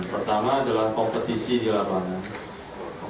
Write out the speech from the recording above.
pertama adalah kompetisi di lapangan